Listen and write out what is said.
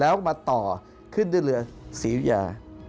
แล้วมาต่อขึ้นด้วยเรือศรียุยา